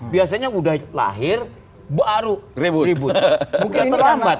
biasanya udah lahir baru ribut